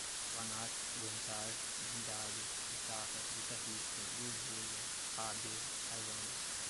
guanaco, guentar, guindado, guitarra, guitarrista, guzula, habea, highlander